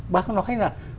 bác nói là